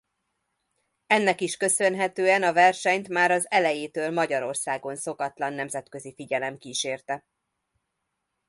Ennek is köszönhetően a versenyt már az elejétől Magyarországon szokatlan nemzetközi figyelem kísérte.